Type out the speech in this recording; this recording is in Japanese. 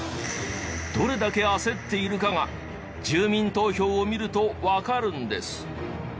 どれだけ焦っているかが住民投票を見るとわかるんです。